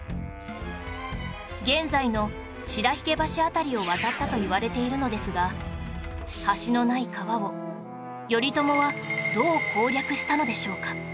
現在の白鬚橋辺りを渡ったといわれているのですが橋のない川を頼朝はどう攻略したのでしょうか？